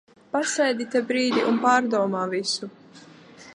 Pasēdi te brīdi un pārdomā visu.